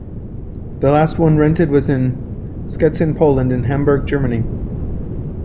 The last one rented was in Sczetin Poland and Hamburg Germany.